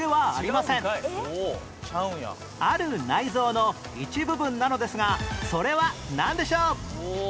ある内臓の一部分なのですがそれはなんでしょう？